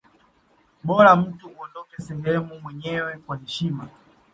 bora mtu uondoke sehemu mwenyewe kwa heshima